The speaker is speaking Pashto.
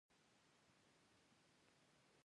علامه حبيبي د افغانستان له تمدني ارزښتونو دفاع کړی ده.